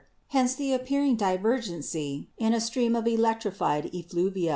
Hence the appearing divergency in a stream of electrified effluvia.